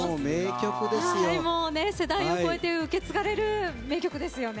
世代を超えて受け継がれる名曲ですよね。